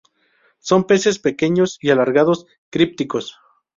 Son peces pequeños y alargados, crípticos.